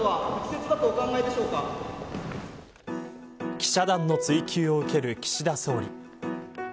記者団の追及を受ける岸田総理。